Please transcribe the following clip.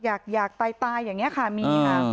อยากอยากตายตายอย่างเนี้ยค่ะมีค่ะ